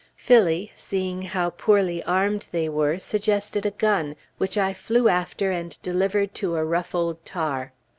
Phillie, seeing how poorly armed they were, suggested a gun, which I flew after and delivered to a rough old tar.